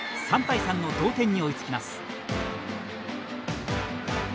３対３の同点に追いつきます。